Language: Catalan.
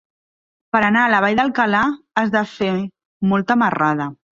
Per anar a la Vall d'Alcalà has de fer molta marrada.